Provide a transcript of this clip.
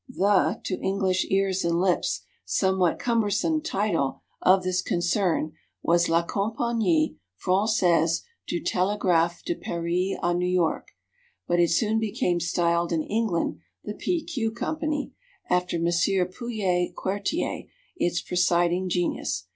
The, to English ears and lips, somewhat cumbersome title of this concern was La Compagnie Française du Télégraphe de Paris à New York, but it soon became styled in England the "P. Q. Company," after M. Pouyer Quertier, its presiding genius.